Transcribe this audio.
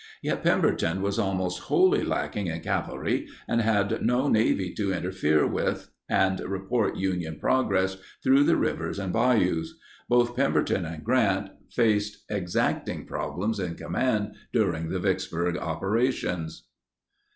Yet Pemberton was almost wholly lacking in cavalry and had no navy to interfere with and report Union progress through the rivers and bayous. Both Pemberton and Grant faced exacting problems in command during the Vicksburg operations.